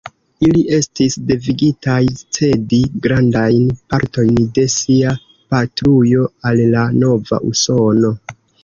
Ili estis devigitaj cedi grandajn partojn de sia patrujo al la nova Usono.